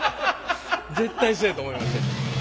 絶対そうやと思いました。